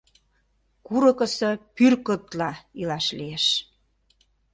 Курыкысо пӱркытла илаш лиеш…